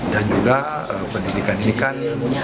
dan juga pendidikan ini kan